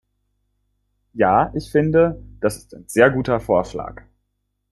Ja, ich finde, das ist ein sehr guter Vorschlag.